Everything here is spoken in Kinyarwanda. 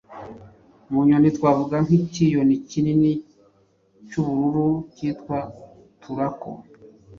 Mu nyoni twavuga nk’ikinyoni kinini cy’ubururu kitwa “Turako”